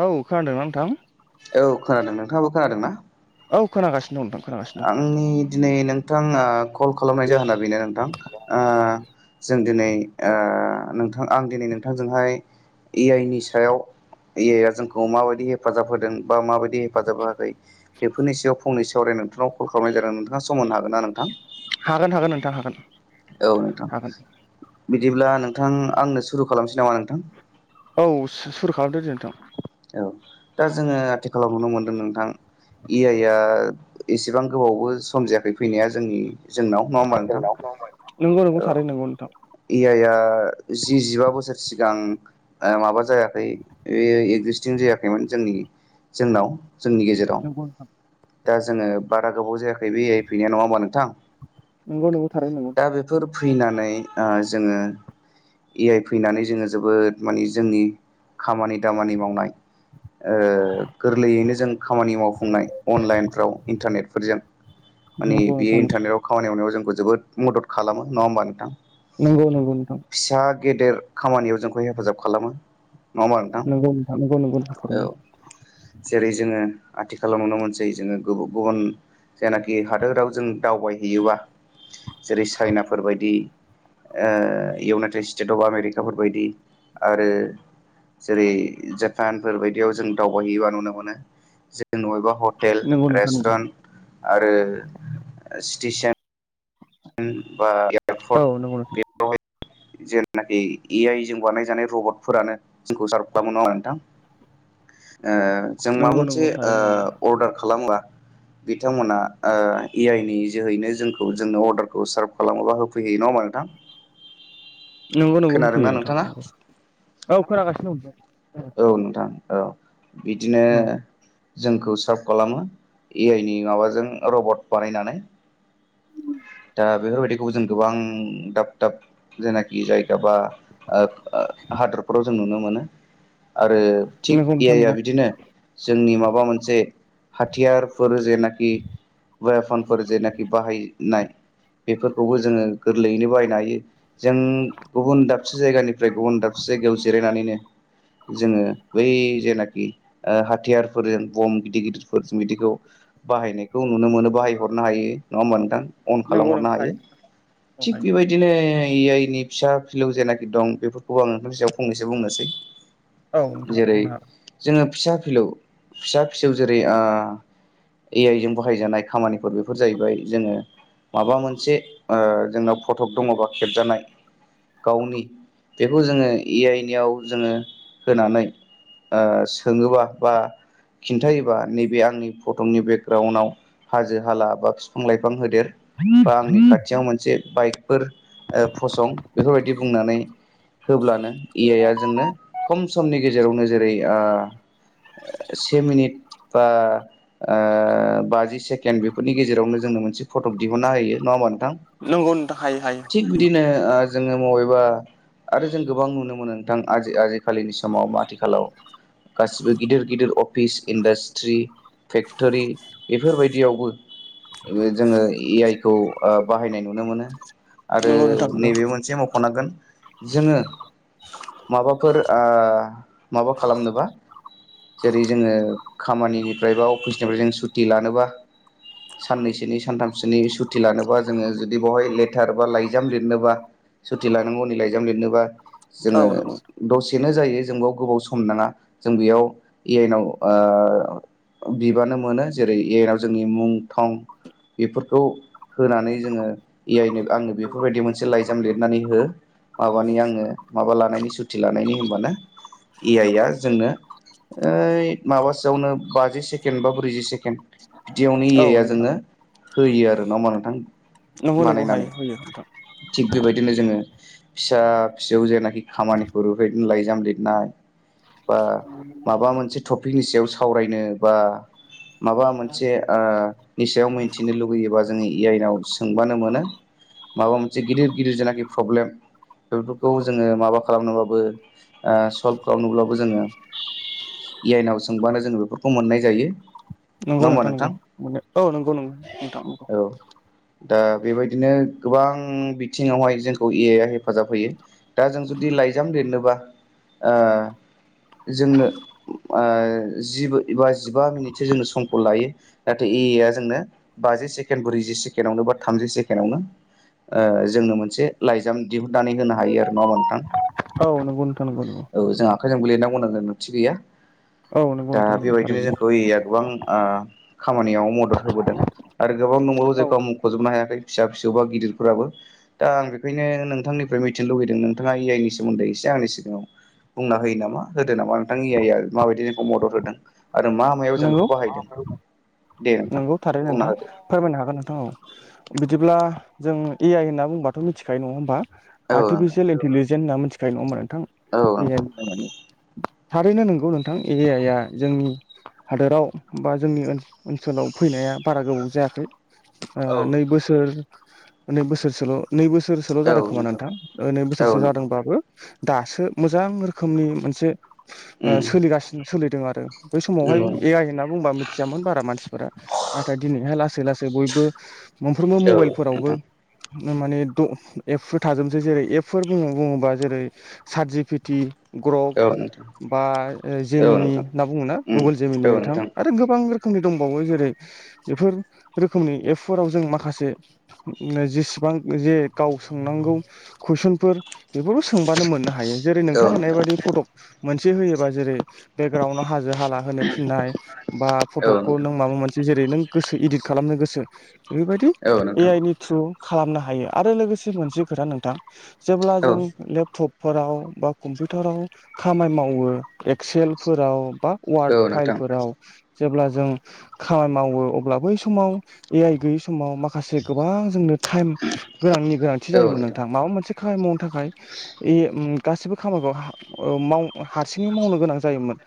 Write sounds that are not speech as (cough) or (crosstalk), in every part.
औ खोनादोंना नोंथां औ खोनादों नोंथाङाबो खोनादोंना? औ खोनागासिनो दं नोंथां खोनागासिनो आंनि दिनै नोंथांनाव कल खालामनाय जाहोना बेनो नोंथां ओ जों दिनै नोंथां ओ आं दिनै नोंथांजोंहाय ए आइ नि सायाव ए आइ आ जोंखौ माबायदि हेफाजाब होदों बा माबायदि हेफाजाब होआखै बेफोरनि सायाव फंनैसो सावरायनो नोंथांनाव कल खालामनाय जादों नोंथां। नोंथाङा सम होनो हागोन ना नोंथां? दं हागोन हागोन नोंथां हागोन औ नोंथां हागोन बिदिब्ला नोंथां आंनो सुरु खालामसै नामा नोंथां। औ सुरु खालामदो दे नोंथां। औ दा जोङो आथिखालाव नुनो मोनदों नोंथां। ए आइ आ एसेबां गोबावबो सम जायाखै फैनाया जोंनि जोंनाव नङा होमबा नोंथां नंगौ नंगौ औ थारै नंगौ नोंथां इ आइ आ जि जिबा बोसोर सि गां माबा जायाखै बे एगजिस्टिं जायाखैमोन जोंनि जोंनाव जोंनि गेजेराव नंगौ नोंथां दा जोङो बारा गोबाव जायाखै ए आइ फैनाया नङा होमब्ला नों नंगौ नंगौ थारैनो नंगौ। बेफोर फैनानै ओ जोङो ए आइ फैनानै जोङो जोबोद माने जोंनि खामानि दामानि मावनाय ओ गोरलैयैनो जों खामानि मावफुंनाय अनलाइनफ्राव इन्टारनेटफोरजों माने नंगौ नंगौ बेयो नोंथां इन्टारनेटआव खामानि मावनायाव जोंखौ जोबोद मदद खालामो नङा होमबा नोंथां। नंगौ नंगौ नोंथां। फिसा गेदेर खामानियाव जोंखौ हेफाजाब खालामो। नङा होमबा नोंथां नंगौ नोंथां नंगौ नंगौ नोंथां औ थारैनो जेरै जोङो आथिखालाव नुनो मोनसै जोङो गुबुन गुबुन जेनाखि हादोराव जों दावबायहैयोबा जेरै चाइनाफोरबायदि ओ इउनाइटेड स्टेट अब आमेरिकाफोरबायदि आरो जेरै जापानफोर बायदियाव जों दावबायहैयोबा नुनो मोनो जों (unintelligible) हटेल नंगौ नोंथां नंगौ रेस्टुरेन्ट आरो स्टेसन बा एयारपर्ट औ नंगौ नोंथां बेफोरावहाय जेनाखि ए आइ जों बानायजानाय रबटफोरानो जोंखौ सारभ खालामो। नङा होमबा नोंथां? ओ जों माबा नंगौ नंगौ मोनसे थारैनो नंगौ अर्डार खालामोब्ला बिथांमोना ओ ए आइ नि जोहैनो जोंखौ जोंनो अर्डार खौ सार्भ खालामोबा होफैयो नङा ओमबा नोंथां। नंगौ नंगौ खोनादोंना होफैयो नोंथां नोंथाङा? नंगौ औ खोनागासिनो दं दे। औ नोंथां औ बिदिनो नोंथां औ जोंखौ सार्भ खालामो ए आइ नि माबाजों रबट बानायनानै दा बेफोरबायदिखौ जों गोबां दाब दाब जेनाखि जायफोराबा बेफोराव जों नुनो मोनो। आरो थिग नंगौ ए नोंथां आइ आ नंगौ बिदिनो जोंनि माबा मोनसे हाथियार जेनाखि वेपनफोर जेनाखि बाहायनाय बेफोरखौबो जोङो गोरलैयैनो बाहायनो हायो। जों गुबुन दाबसे जायगानिफ्राय गुबुन दाबसे जायगायाव जिरायनानैनो जोङो बै जेनाखि हाथियारफोरजों बम्ब गिदिर गिदिरफोर बिदिखौ बाहायनायखौ नुनो मोनो, बाहाय हरनो हायो। नङा होमबा नोंथां? अन नंगौ नों खालामहरनो हायो नोंथां औ थिग हायो बेबायदिनो आ आइ नि फिसा फिलौ जेनाखि दं। बेफोरखौ आं नोंथांनि सायाव फंनैसो बुंनोसै। औ नोंथां जेरै बुंनो हागोन। जोङो फिसा फिलौ फिसा फिसौ जेरै ओ ए आइ जों बाहाय जानाय खामानि बेफोर जाहैबाय जोङो माबा मोनसे ओ जोंनाव फटक दङबा खेबजानाय गावनि बेखौ जोङो ए आइ नियाव जोङो होनानै ओ सोङोबा बा खिन्थायोबा नैबे आंनि फटनि बेकग्राउन्डआव हाजो हाला बा बिफां लाइफां होदेर बा हागोन आंनि खाथियाव मोनसे बाइकफोर फसं बेफोरबायदि बुंनानै होब्लानो ए आइआ जोंनो खम समनि गेजेरावनो आ जेरै से मिनिट बा ओ बाजि सेेकेण्ड बेफोरनि गेजेरावनो जोङो मोनसे फटक दिहुनना होयो नङा होनबा नोंथां नंगौ नोंथां हायो हायो थिग बिदिनो ओ जोङो मबेबा आरो जों गोबां नुनो मोनो नोंथां आजि आजिखालिनि समाव आथिखालाव गासिबो गिदिर गिदिर अफिस इडास ट्रि फेक्टरि बेफोरबायदियावबो जोङो ए आइ खौ ओ बाहायनाय नुनो मोनो। आरो नंगौ नोंथां नंगौ नैबे मोनसे मख'नांगोन जोङो माबाफोर ओ माबा खालामनोबा जेरै जोङो खामानिनिफ्राय बा अफिसनिफ्राय जों सुटि लानोबा साननैसोनि सानथामसोनि सु थि लानोबा जोङो जुदि बेवहाय लेट थार बा लाइजाम लिरनोबा सुटि लानांगौनि लाइजाम लिरनोबा जोङो औ नंगौ दसे सेनो जायो जों बेयाव गोबाव सम नाङा जों बेयाव ए आइनाव ओ बिबानो मोनो जेरै ए आइ नाव जोंनि मुं थं बेफोरखौ होनानै जोङो ए आइनो आंनो बेफोरबायदि मोनसे लाइजाम लिरनानै हो। माबानि आङो माबा लानायनि सुथि लानायनि होनबानो ए आइ आ जोंनो ओइत माबा सोयावनो बाजि सेकेण्ड बा ब्रैजि सेकेणड बिदियावनो ए औ आय आ नंगौ जोंनो होयो आरो नामा नोंथां। नंगौ नंगौ बानायनानै हायो होयो नोंथां। थिग बेबायदिनो जोङो फिसा फिसौ जेनाखि खामानिखौ बेफोरदिनो लाइजाम लिरनाय बा माबा मोनसे टपिकनि सायाव सावरायनो बा माबा मोनसे ओ नि सायाव मै मिथिनो लुगैयोबा जोङो ए आइनाव सोंबानो मोनो। माबा मोनसे गिदिर गिदिर जेनाखि प्रब्लेम बेफोरखौ जोङो माबा खालामनोबाबो सल्भ खालामनोब्लाबो जोङो ए आइ नाव सोंबानो जों बेफोरखौ मोननाय जायो। नङा नंगौ होमबा नोंथां नंगौ औ नंगौ नगौ नोंथां नगौ। औ दा बेबायदिनो गोबां बिथिङावहाय जोंखौ ए आइआ हेफाजाब होयो दा जों जु जुदि लाइजाम लिरनोबा ओ जोंनो जि ओ जि बा जिबा मिनिटसो जोंनो समखौ लायो नाथाय ए आइ जोंनो बाजि सेकेण्ड ब्रैजि सेकेण्डआवनो बा थामजि सेकेण्डवनो ओ जोंनो मोनसे लाइजाम दिहुननानै होनो हायो आरो नङा होमबा नोंथां। औ नंगौ नोंथां नंगौ नंगौ औ जों आखाइजोंबो लिरनांगौ जों गोनांथि गैया। औ नंगौ दा नोंथां नंगौ बेबायदिनो थारैनो जोंखौ ए आइया गोबां ओ खामानियाव मदद होबोदों। आरो गोबां दंबावो औ जायखौ आं मख'जोबनो हायाखै फिसा फिसौ बा गिदिरफोराबो दा आं बेखायनो नोंथांनि निफ्राय मिथिनो लुुबैदों नोंथाङा ए आइनि सोमोन्दै एसे आंनि सिगाङाव बुंना होयो नामा होदो नामा नोंथां ए आइआ माबायदि जोंखौ मदद होदों आरो मा मायाव जों बेखौ नंगौ बाहायदों दे नोंथां नंगौ थारैनो बुंना नोंथां होदो फोरमायनो हागोन नोंथां औ बिदिब्ला जों ए आइ होनना बुंबाथथ' मिथिखायो नङा होमा औ नोंथां आर्टिफिसियेल इन्टेलिजेन्स होनना मिथिखायो नङा होनबा नोंथां औ ए आय नोंथां निखामानि थारैनो नंगौ नोंथां ए आयया जोंनि हादोराव बा जोंनि ओनसोलाव फैनाया बारा गोबाव जायाखै ओ औ नै बोसोर नै बोसोरसोल' नै बोसोर बोसोरसोल' जादों खोमा नोंथां नोंथाङा नै औ बोसोरसो नोंथां जादोंबाबो दासो मोजां रोखोमनि मोनसे उम सोलिगासिनो सोलिदों आरो। बै समावहाय नंगौ ए नोंथां आइ होनना बुंबा मिथियामोन बारा मानसिफोरा नाथाय दिनैहाय लासै लासै बयबो मोनफ्रोमबो औ मबाइलफोरावबो नोंथां माने ग्रप औ नोंथां बा औ जेमिनि नोंथां होनना बुङो ना उम गगोल जेमिनि औ नोंथां आरो गोबां रो दंबावो जेरै बेफोर रोखोमनि एपफोराव जों माखासे जि गोबां जे गाव सोंनांगौ कुइसनफोर। बेफोरखौ सोंबानो मोननो हायो जेरै नोंथां होननायबायादि फट' मोनसे होयोबा जेरै बेकग्राउडाव हाजो हाला होनो थिन्नाय बा औ पतकखौ नोंथां नों माबा मोनसे जेरै नों गोसो इदिद खालाम नो गोसो बेफोरबादि औ नोंथां एआइ नि त्रु। खालामनो हायो आरो लोगोसे मोनसे खोथा नोंथां जेब्ला औ जों लेपटप फोराव बा कम्पिउटाराव खामानि मावो एक्सेलफोराव बा वार्ड नोंथां फायेलफोराव जेब्ला जों खामानि मावो अब्ला बै समाव ए आइ गैयै समाव माखासे गोबां जोंनो टाइम गोनांनि गोनांथि जायोमोन नोंथां माबा मोनसे खामानि मावनो थाखाय ए उम गासैबो खामानिखौ हा ओ माव हारसिंङै मावनो गोनां जायोमोन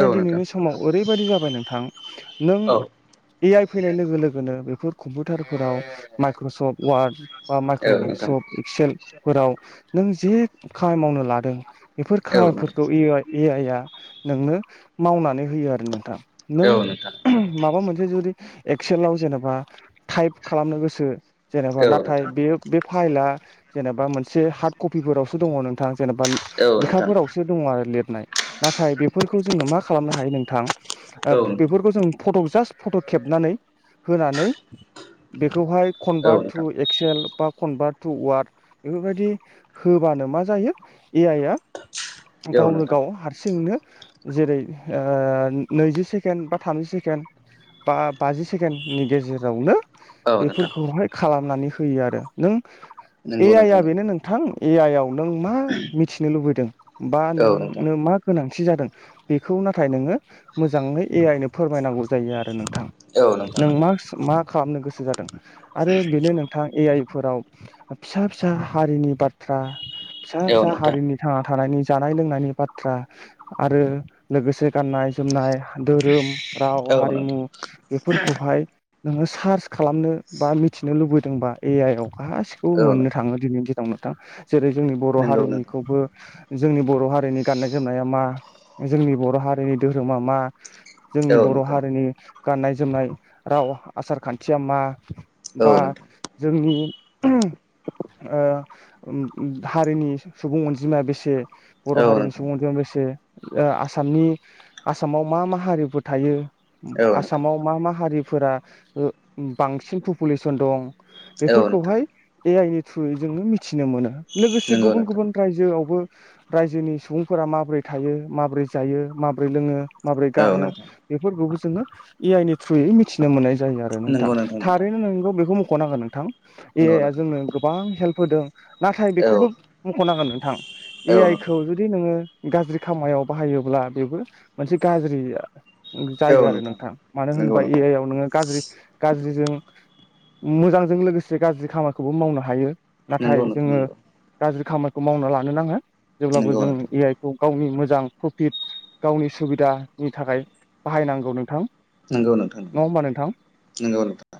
औ नोंथां दिनैनि समाव ओरै बेबायदि जाबाय नोंथां नों औ ए आइ फैनाय लोगो लोगोनो बेखौ कम्पिउटारफोराव माइक्रसफ्ट वार्ड बा औ नोंथां माइक्र'सफ्ट एक्सेल फोराव नों जे खामानि मावनो लादों बेफोर औ नोंथां खामानिफोरखौ ए आइ ए आइआ नोंनो मावनानै होयो आरो नोंथां नों औ नोंथां उमह माबा मोनसे जुदि एक्सेलाव जेनेबा टाइप खालामनो गोसो जेनेबा औ नाथाय नोंथां बेयो बे फाइला जेनेबा मोनसे हार्ट कफिफोरावसो दंङ नोंथां जेनेबा औ नोंथां औ नोंथां लेखाफोरावसो दंङ आरो लिरनाइ नाथाय बेफोरखौ जोंङो मा खालामनो हायो नोंथां ओ औ बेफोरखौ जों फट'क जास्ट फट' खेबनानै होनानै बेखौहाय खनबा नोंथां थु एकसेल बा कनभार्ट टु वार्द बेफोरबायदि होबानो मा जायो ए आइ आ औ गगावनो नोंथां गाव हारसिंनो जेरै ओ नैजि सेकेण्ड बा थामजि सेकेण्ड बा बाजि सेकेण्डनि गेजेरावनो औ नोंथां बेफोरखौहाय खालामनानै होयो आरो नों ए नंगौ आइआ नोंथां बेनो नोंथां ए आइयाव नों मा मिथिनो लुबैदों बा औ नोंथां नोंनो मा गोनांथि जादों बेखौ नाथाय नोंङो मोजांङै ए आइनो फोरमायनांगौ जायो आरो नोंथां औ नोंथां नों नंगौ मासों मा खालामनो गोसो जादों? आरो बेनो नोंथां ए आइ फोराव फिसा फिसा हारिनि बाथ्रा फिसा औ फिसा नोंथां हारिनि थांना थानायनि जानाय लोंनायनि बाथ्रा आरो लोगोसे गाननाय जोमनाय हा धोरोम राव औ नोंथां औ हारिमु नोंथां बेफोरखौहाय नोंङो सार्च खालामनो बा मिथिनो लुबैदोंबा ए आइ याव गासिखौबो मोननो थांङो दिनैनि दि नाव नोंथां जेरै जोंनि बर' नंगौ नोंथां हारिनिखौबो जोंनि बर' हारिनि गाननाय जोमनाया मा जोंनि बर' हारिनि धोरोमा मा जोंनि औ बर' नोंथां हारिनि गाननाय जोमनाय राव आसार खान्थिया मा बा औ नोंथां जोंनि उमह ओ ओम उम हारिनि सुबुं अनजिमाया बेसे बर' औ हारिनि नोंथां सुबुं अनजिमाया बेसे ओ आसामनि आसामाव मा मा हारिफोर थायो औ आसामाव मा मा हारि फोरा ओ बांसिन फुफुलेसन दं नोंथां औ बेफोरखौहाय ए आइनि थ्रुयै जोंङो मिथिनो मोननो नोंथां लोगोसे नंगौ गुबुन नोंथां गुबुन रायजोआवबो रायजोनि सुबुंफोरा माबोरै थायो माबोरै जायो माबोरै लोंङो माबोरै औ गानो नोंथां बेफोरखौबो जोंङो ए आइ नि थ्रुयै मिथिनो मोननाय जायो। जायो आरो नोंथां नंगौ थारैनो नोंथां नोंगौ बेखौ मख' नांगोन नोंथां ए नंगौ आइया नोंथां जोंनो गोबां हेलफ होदों नाथाय औ बेखौबो मख'नांगोन नोंथां ए औ आइ नोंथां खौ जुदि नोंङो गाज्रि समायाव बाहायोब्ला बेबो मोनसे गाज्रि जायो आरो नोंथां मानो नंगौ होनोबा ए नोंथां आइयाव नोंङो गाज्रि गाज्रिजों मोजांजों लोगोसे गाज्रि खामानिखौबो मावनो हायो नाथाय नंगौ नोंथां जोंङो नंगौ गाज्रि खामानि खौमावना लानो नांङा जेब्लाबो नंगौ जों नोंथां ए आइ खौ मि-मोजां टपिक गावनि सुबिदानि थाखाय बाहायनांगौ नोंथां नंगौ नोंथां नङा होमबा नोंथां नंगौ नोंथां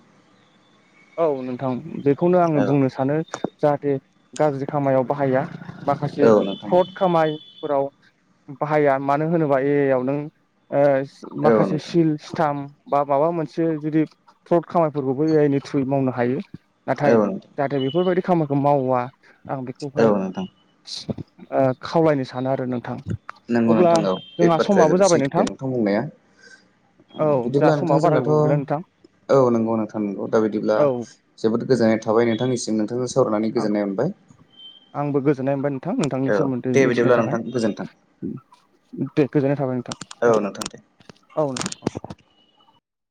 औ नोंथां बेखौनो आंङो औ बुंनो सानो जाहाथे गाज्रि खामानियाव बाहाया माखासे औ नोंथां फ्लद खामायफोराव बाहाया मानो होनोबा ए आइयावनों ओ औ माखासे नोंथां सिल स्टाम्प बा माबा मोनसे जुदि फ्रड खामानिफोरखौबो ए आइ नि थ्रुयै मावनो हायो। नाथाय औ नोंथां जाहाथे बेफोरबायदि खामानिखौ मावा आं बेखौहाय औ नोंथां ओ खावलायनो सानो आरो नों नंगौ नोंथां औ बे बाथ्राया जोबोर सैथो नोंथां बुंनाया ओ औ जोंहा बिदिब्ला नोंथां समाबो बारा जोंनाथ' गोबाव गैला नोंथां औ नंगौ नोंथां नंगौ दा बिदिब्ला औ जोबोद गोजोननाय थाबाय नोंथांनिसिम नोंथांजों सावरायनानै आं गोजोननाय मोनबाय आंबो गोजोननाय मोनबाय नोंथां नोंथांनि औ सोमोन्दै दे बिदिब्ला मिथिनो नोंथां थाखाय गोजोन्थों दे गोजोननाय थाबाय नोंथां औ नोंथां दे जागोन औ नोंथां